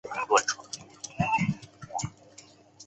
椰树广泛分布于除高地之外的地区。